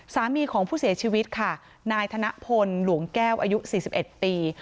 สามีของผู้เสียชีวิตค่ะนายธนพลหลวงแก้วอายุ๔๑ปี